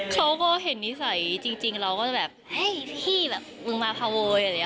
เขาก็เห็นนิสัยจริงเราก็จะแบบเฮ้ยพี่แบบมึงมาพาโวยอะไรอย่างนี้